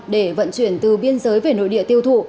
để vận chuyển từ biên giới về nội địa tiêu thụ